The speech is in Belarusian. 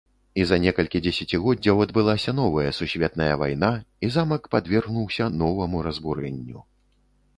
І за некалькі дзесяцігоддзяў адбылася новая сусветная вайна, і замак падвергнуўся новаму разбурэнню.